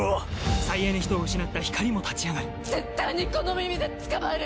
最愛の人を失ったひかりも立ち上がる絶対にこの耳で捕まえる！